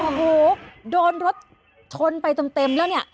โอ้โหโดนรถชนไปเต็มแล้วเนี่ย